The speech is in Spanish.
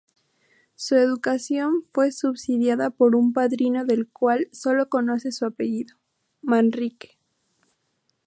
Su educación fue subsidiada por un padrino del cual solo conoce su apellido: "Manrique".